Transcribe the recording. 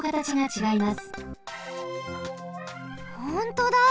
ほんとだ！